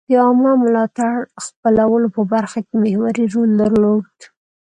د عامه ملاتړ خپلولو په برخه کې محوري رول درلود.